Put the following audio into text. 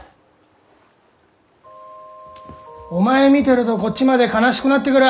お前見てるとこっちまで悲しくなってくる！